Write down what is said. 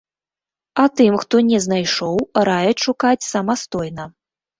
А тым, хто не знайшоў, раяць шукаць самастойна.